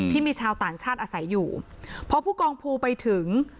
ที่มีชาวต่างชาติอาศัยอยู่พอผู้กองภูไปถึง